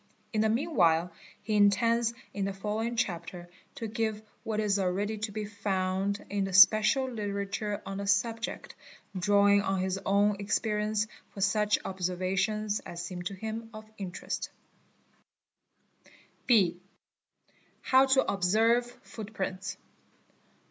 In the meanwhile he intends in — the following chapter to give what is already to be found in the special _ literature on the subject ©®—*, drawing on his own experience for such observations as seem to him of interest. : gp . ene te A De B. How to observe Footprints.